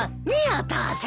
お父さん。